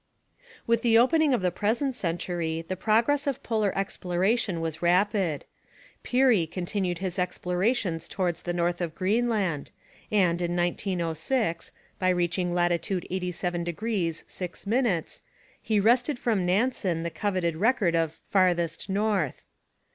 With the opening of the present century the progress of polar exploration was rapid. Peary continued his explorations towards the north of Greenland, and, in 1906, by reaching latitude 87° 6', he wrested from Nansen the coveted record of Farthest North.